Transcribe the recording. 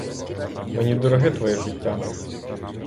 Мені дороге твоє життя!